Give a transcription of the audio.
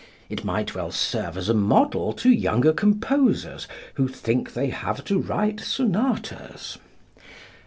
It might well serve as a model to younger composers who think they have to write sonatas.